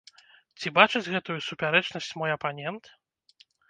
Ці бачыць гэтую супярэчнасць мой апанент?